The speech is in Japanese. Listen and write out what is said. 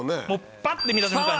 パッて見た瞬間に。